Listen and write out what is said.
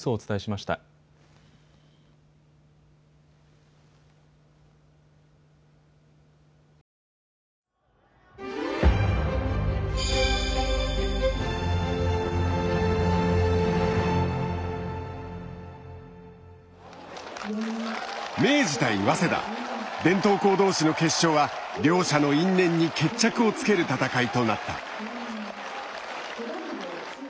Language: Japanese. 伝統校同士の決勝は両者の因縁に決着をつける戦いとなった。